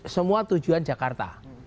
semua tujuan jakarta